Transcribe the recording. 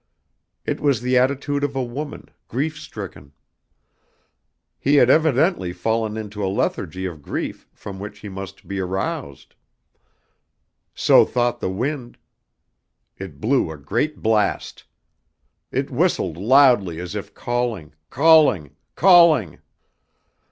It was the attitude of a woman, grief stricken. He had evidently fallen into a lethargy of grief from which he must be aroused. So thought the wind. It blew a great blast. It whistled loudly as if calling, calling, calling!